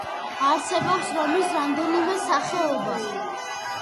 არსებობს რომის რამდენიმე სახეობა.